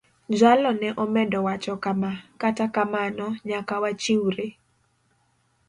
Jalo ne omedo wacho kama: "Kata kamano, nyaka wachiwre.